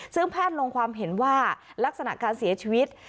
ซึ่งแพทย์ลงความเห็นว่าลักษณะการเสียชีวิต